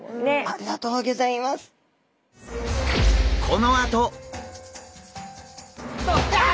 ありがとうギョざいます。ああ！